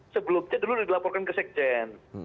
sebelumnya dulu dilaporkan ke sekjen